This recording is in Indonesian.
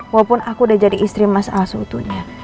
walaupun aku udah jadi istri mas al seutuhnya